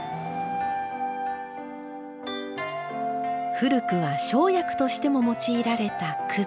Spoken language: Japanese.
古くは生薬としても用いられたくず。